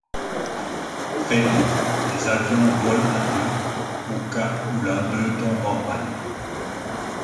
Très vite les avions volent à deux au cas où l'un tombe en panne.